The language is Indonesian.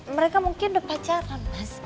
mereka mungkin udah pacaran mas